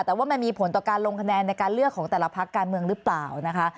แต่ว่ามันมีผลต่อการลงคะแนนในการเลือกของแต่ละพักการเมืองหรือเปล่านะคะ